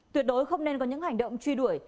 tuyệt đối không nên có những hành động truy đuổi